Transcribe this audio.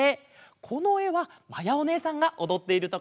このえはまやおねえさんがおどっているところです。